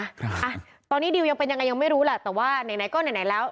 อ่ะตอนนี้ดิวยังเป็นยังไงยังไม่รู้แหละแต่ว่าไหนไหนก็ไหนไหนแล้ว